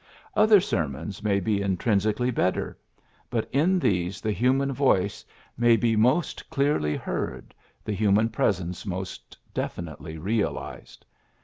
Other sermons may be intrinsically better j but in these the human voice may be most clearly 62 PHILLIPS BEOOKS heard, the human presence most defi nitely realized.